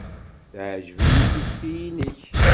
Teɛjeb-iyi tekti-nnek.